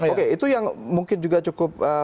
oke itu yang mungkin juga cukup